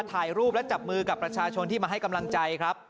ถ่ายรูปและจับมือกับประชาชนที่มาให้กำลังใจครับ